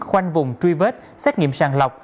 khoanh vùng truy vết xét nghiệm sàng lọc